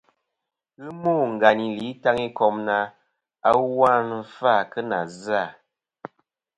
Ghɨ mô ngàyn î lì Itaŋikom na, "awu a nɨn fɨ-à kɨ nà zɨ-à.”.